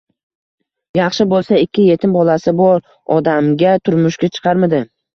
Yaxshi bo'lsa, ikki yetim bolasi bor odamga turmushga chiqarmidi?!